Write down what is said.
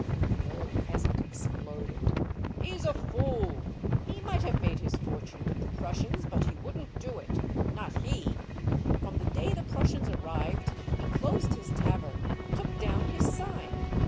The old peasant exploded. " He 's a fool ! He might have made his for tune with the Prussians, but he would n't do it, not he ! From the day the Prussians arrived, he closed his tavern, took down his sign.